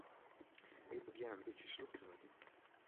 Ik begjin in bytsje slûch te wurden.